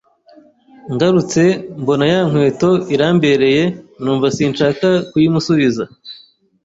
ngarutse mbona ya nkweto irambereye numva sinshaka kuyimusubiza